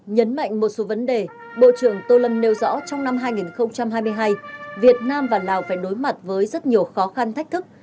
nhấn mạnh một số vấn đề bộ trưởng tô lâm nêu rõ trong năm hai nghìn hai mươi hai việt nam và lào phải đối mặt với rất nhiều khó khăn thách thức